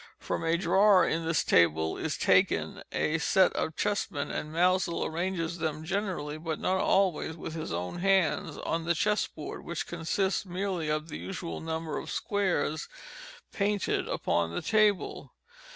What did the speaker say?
From a drawer in this table is taken a set of chess men, and Maelzel arranges them generally, but not always, with his own hands, on the chess board, which consists merely of the usual number of squares painted upon the table.